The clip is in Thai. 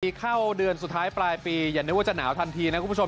เข้าเดือนสุดท้ายปลายปีอย่านึกว่าจะหนาวทันทีนะคุณผู้ชม